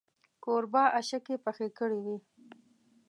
کوربه اشکې پخې کړې وې.